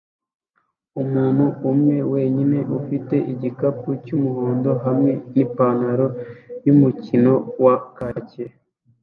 Umuntu umwe wenyine ufite igikapu cyumuhondo hamwe nipantaro yumukino waya kaki